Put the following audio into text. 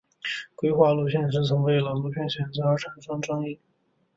规划路线时曾为了路线选择产生争议。